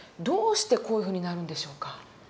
どうしてこういうふうになるんでしょうか。